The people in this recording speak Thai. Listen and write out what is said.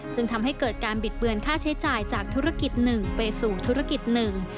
จึงทำให้เกิดการบิดเบือนค่าใช้จ่ายจากธุรกิจหนึ่งไปสู่ธุรกิจหนึ่ง